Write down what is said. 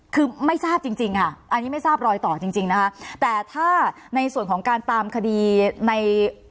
คือไม่ทราบจริงจริงค่ะอันนี้ไม่ทราบรอยต่อจริงจริงนะคะแต่ถ้าในส่วนของการตามคดีใน